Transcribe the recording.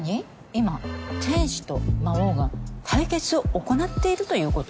今天使と魔王が対決を行なっているということ？